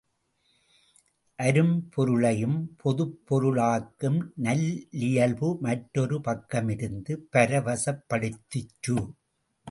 அரும்பொருளையும் பொதுப் பொருளாக்கும் நல்லியல்பு மற்றொரு பக்கமிருந் பரவசப்படுத்திற்று.